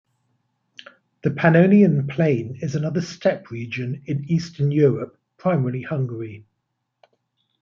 The Pannonian Plain is another steppe region in eastern Europe, primarily Hungary.